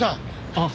あっ。